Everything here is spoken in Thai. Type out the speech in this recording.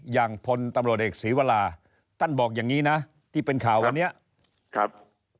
อย่างพลตำรวจเอกศรีวราท่านบอกอย่างนี้นะที่เป็นข่าววันนี้ครับ